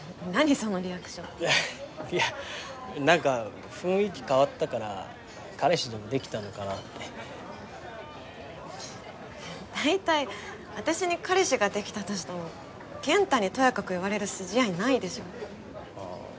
そのリアクションいやいやなんか雰囲気変わったから彼氏でもできたのかなって大体私に彼氏ができたとしても健太にとやかく言われる筋合いないでしょあぁ